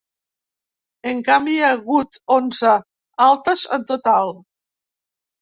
En canvi, hi ha hagut onze altes en total.